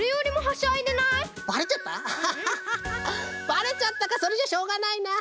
ばれちゃったかそれじゃしょうがないな。